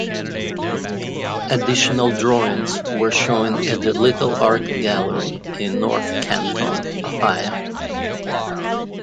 Additional drawings were shown at the Little Art Gallery in North Canton, Ohio.